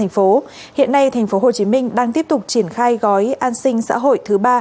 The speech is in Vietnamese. hiện nay tp hcm đang tiếp tục triển khai gói an sinh xã hội thứ ba